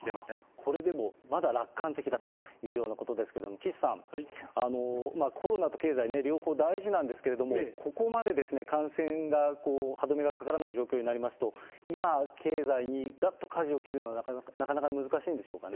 これでもまだ楽観的だというようなことですけれども、岸さん、コロナと経済両方大事なんですけれども、ここまで感染が歯止めがかからない状況になりますと、今、経済にがっとかじを切るのはなかなか難しいんでしょうかね。